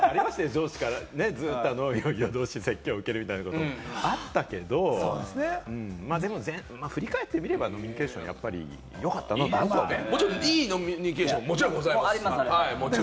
上司から夜通し説教を受けるみたいなのもあったけれども、でも振り返ってみれば飲みニケーション、やっぱりよかったなってもちろん飲みニケーション、もちろんあります。